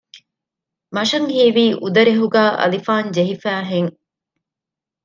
މަށަށް ހީވީ އުދަރެހުގައި އަލިފާން ޖެހިފައި ހެން